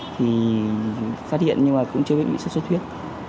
thì phát hiện nhưng mà cũng chưa bị xuất xuất huyết